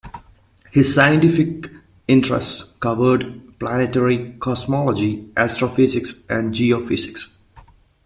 His scientific interests covered planetary cosmogony, astrophysics and geophysics.